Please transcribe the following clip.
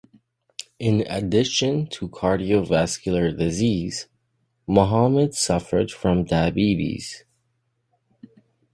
In addition to cardiovascular disease, Mohammed suffered from diabetes.